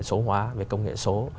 số hóa về công nghệ số